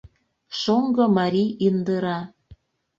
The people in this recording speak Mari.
Шоҥго мари индыра.